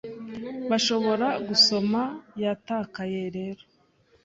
bashobora gusoma Yatakaye rero